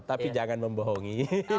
tapi jangan membohongi